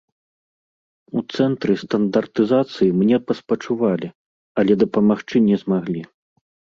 У цэнтры стандартызацыі мне паспачувалі, але дапамагчы не змаглі.